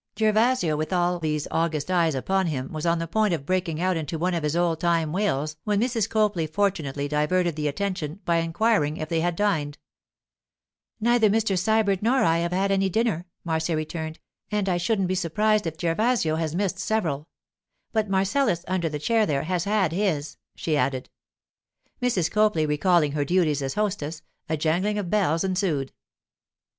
Gervasio, with all these august eyes upon him, was on the point of breaking out into one of his old time wails when Mrs. Copley fortunately diverted the attention by inquiring if they had dined. 'Neither Mr. Sybert nor I have had any dinner,' Marcia returned, 'and I shouldn't be surprised if Gervasio has missed several. But Marcellus, under the chair there, has had his,' she added. Mrs. Copley recalling her duties as hostess, a jangling of bells ensued.